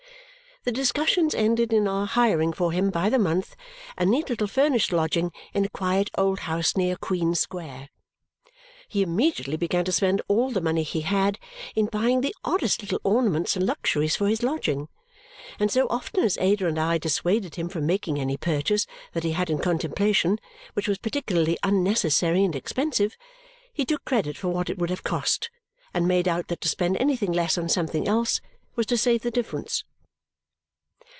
The discussions ended in our hiring for him, by the month, a neat little furnished lodging in a quiet old house near Queen Square. He immediately began to spend all the money he had in buying the oddest little ornaments and luxuries for this lodging; and so often as Ada and I dissuaded him from making any purchase that he had in contemplation which was particularly unnecessary and expensive, he took credit for what it would have cost and made out that to spend anything less on something else was to save the difference.